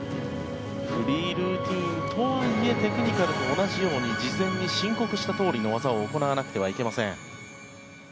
フリールーティンとはいえテクニカルと同じように事前に申告したとおりの技を行わなくてはいけません。